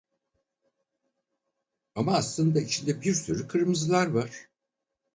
Ama aslında içinde bir sürü kırmızılar var.